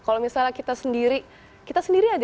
kalau misalnya kita sendiri kita sendiri aja